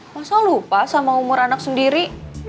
masa lupa sama umur anak sendiri